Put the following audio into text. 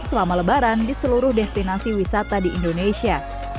selama lebaran di seluruh destinasi wisata di indonesia